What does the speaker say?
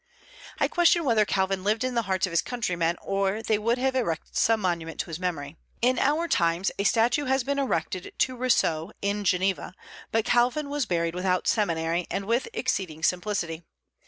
I question whether Calvin lived in the hearts of his countrymen, or they would have erected some monument to his memory. In our times a statue has been erected to Rousseau in Geneva; but Calvin was buried without ceremony and with exceeding simplicity.